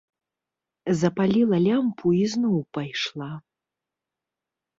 Запаліла лямпу і зноў пайшла.